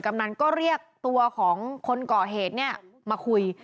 ำนันก็เรียกตัวของคนก่อเหตุเนี่ยมาคุย